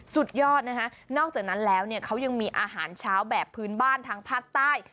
สุดยอดนะคะนอกจากนั้นแล้วเนี่ยเขายังมีอาหารเช้าแบบพื้นบ้านทางภาคใต้